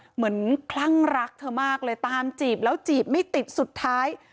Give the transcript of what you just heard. คลั่งรักเธอมากเลยตามจีบแล้วจีบไม่ติดสุดท้าย